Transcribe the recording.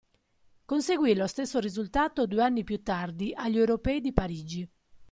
Conseguì lo stesso risultato due anni più tardi agli europei di Parigi.